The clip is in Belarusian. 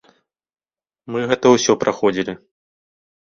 Мы гэта ўсё праходзілі.